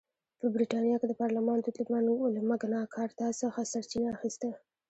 په برېټانیا کې د پارلمان دود له مګناکارتا څخه سرچینه اخیسته.